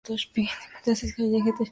Stanislaus College y The Scots School.